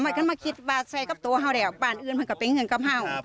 กะมัดกันมาคิดว่าใส่กับตัวเฮ้าแล้วบ้านอื่นมันกะเป็นเงินกับเฮ้า